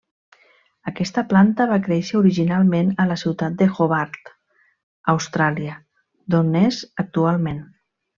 Aquesta planta va créixer originalment a la ciutat de Hobart, Austràlia, d'on és actualment.